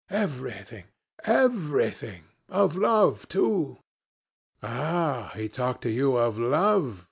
Everything! Everything! ... Of love too.' 'Ah, he talked to you of love!'